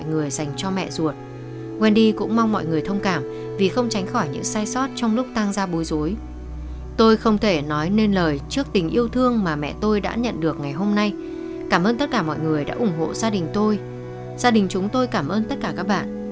gia đình chúng tôi cảm ơn tất cả các bạn